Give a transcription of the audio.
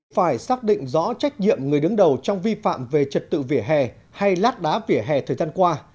phải xác định rõ trách nhiệm người đứng đầu trong vi phạm về trật tự vỉa hè hay lát đá vỉa hè thời gian qua